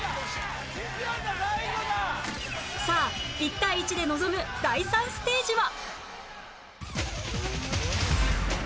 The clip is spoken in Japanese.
さあ１対１で臨む第３ステージは